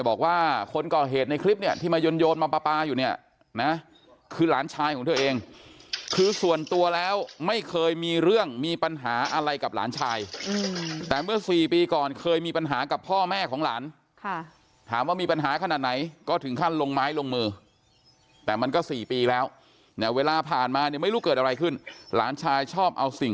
บอกว่าคนก่อเหตุในคลิปเนี่ยที่มาโยนมาปลาปลาอยู่เนี่ยนะคือหลานชายของเธอเองคือส่วนตัวแล้วไม่เคยมีเรื่องมีปัญหาอะไรกับหลานชายแต่เมื่อสี่ปีก่อนเคยมีปัญหากับพ่อแม่ของหลานค่ะถามว่ามีปัญหาขนาดไหนก็ถึงขั้นลงไม้ลงมือแต่มันก็๔ปีแล้วเนี่ยเวลาผ่านมาเนี่ยไม่รู้เกิดอะไรขึ้นหลานชายชอบเอาสิ่ง